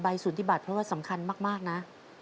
สุนธิบัติเพราะว่าสำคัญมากนะ